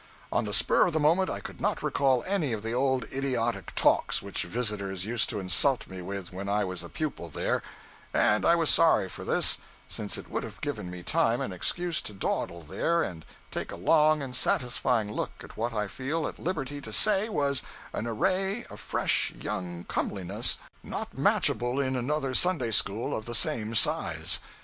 On the spur of the moment I could not recall any of the old idiotic talks which visitors used to insult me with when I was a pupil there; and I was sorry for this, since it would have given me time and excuse to dawdle there and take a long and satisfying look at what I feel at liberty to say was an array of fresh young comeliness not matchable in another Sunday school of the same size.